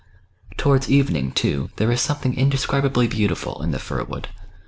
Towards evening, too, there is something indescrib ably beautiful in the firwood.